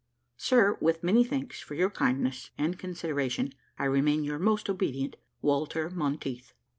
Sir, with many thanks for your kindness and consideration, "I remain, your most obedient, "WALTER MONTEITH."